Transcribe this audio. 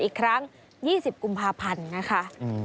อีกครั้ง๒๐กุมภาพันธ์นะคะ